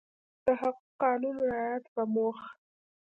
د هغه قانون رعایت په موخه